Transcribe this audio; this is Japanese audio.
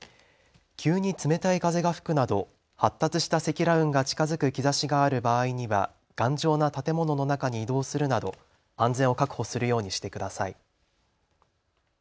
急に冷たい風が吹くなど発達した積乱雲が近づく兆しがある場合には頑丈な建物の中に移動するなど安全を確保するようにしてください。